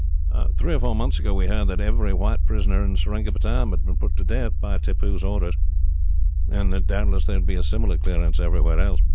"Three or four months ago, we heard that every white prisoner in Seringapatam had been put to death, by Tippoo's orders, and that doubtless there would be a similar clearance everywhere else.